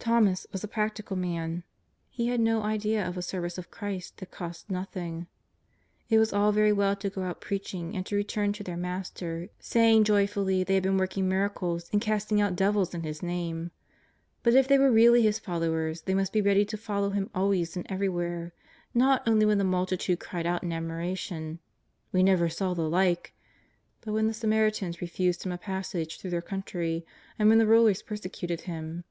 TJiomas was a practical man. He had no idea of a service of Christ that costs nothing. It was all very well to go out preaching and to return to their Master saying joyfully they had been working miracles and cast ing out devils in His l^ame ; but if they were really His followers they must be ready to follow Him always and everywhere, not only when the multitude cried out in admiration, " We never saw the like," but when the Samaritans refused Him a passage through their country and when the rulers persecuted Him.